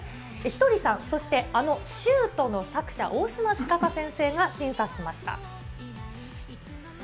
ひとりさん、そしてあのシュート！の作者、大島司先生が審査しました。